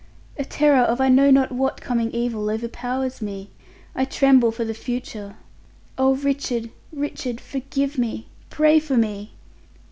"A terror of I know not what coming evil overpowers me. I tremble for the future. Oh, Richard, Richard! Forgive me! Pray for me."